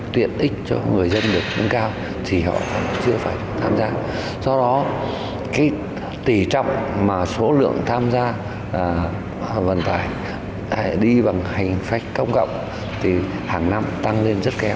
trong khi số lượng tham gia vận tải đi bằng hành phách công cộng thì hàng năm tăng lên rất kém